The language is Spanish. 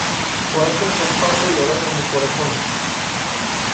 Orar con San Pablo" y "Orar con el corazón".